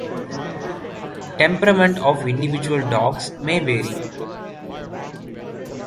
Temperament of individual dogs may vary.